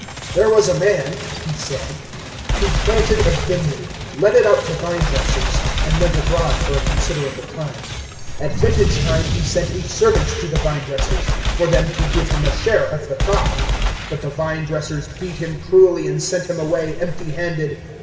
"There was a man," He said, "who planted a vineyard, let it out to vine dressers, and went abroad for a considerable time. 020:010 At vintage time he sent a servant to the vine dressers, for them to give him a share of the crop; but the vine dressers beat him cruelly and sent him away empty handed.